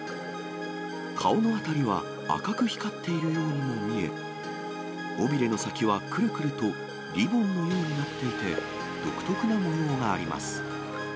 顔の辺りは赤く光っているようにも見え、尾びれの先はくるくるとリボンのようになっていて、独特な模様があります。